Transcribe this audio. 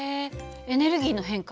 エネルギーの変化？